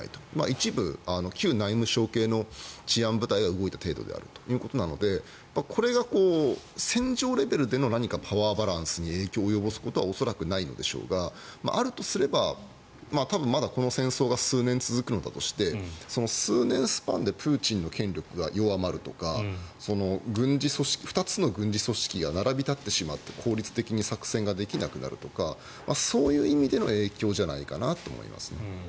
一部、旧内務省系の治安部隊が動いた程度ということなのでこれが戦場レベルでの何かパワーバランスに影響を及ぼすことはないんでしょうがあるとすればまだこの戦争が数年続くのだとして数年スパンでプーチンの権力が弱まるとか２つの軍事組織が並び立ってしまって効率的に作戦ができなくなるとかそういう意味での影響じゃないかと思います。